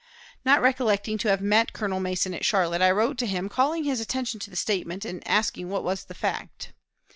Not recollecting to have met Colonel Mason at Charlotte, I wrote to him, calling his attention to the statement, and asking what was the fact.